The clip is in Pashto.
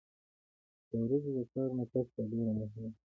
د ورځې د کار نه پس دا ډېره مهمه ده